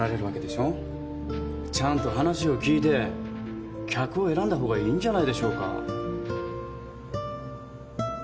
ちゃんと話を聞いて客を選んだほうがいいんじゃないでしょうか。